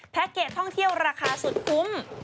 เกจท่องเที่ยวราคาสุดคุ้ม